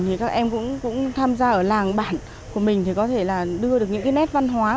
thì các em cũng tham gia ở làng bản của mình thì có thể là đưa được những cái nét văn hóa